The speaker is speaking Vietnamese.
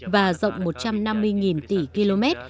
và rộng một trăm năm mươi nghìn tỷ km